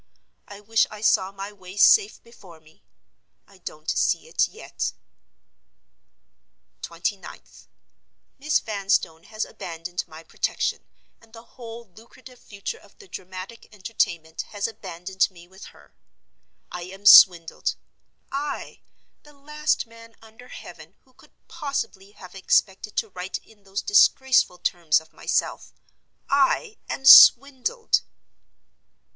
I wish I saw my way safe before me. I don't see it yet. 29th.—Miss Vanstone has abandoned my protection; and the whole lucrative future of the dramatic entertainment has abandoned me with her. I am swindled—I, the last man under heaven who could possibly have expected to write in those disgraceful terms of myself—I AM SWINDLED!